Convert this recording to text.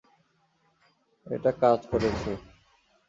এটা কাজ করেছে।